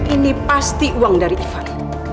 ini pasti uang dari ivan